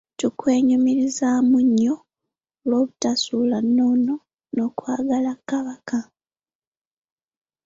Tukwenyumirizaamu nnyo olw'obutasuula nnono n'okwagala Kabaka.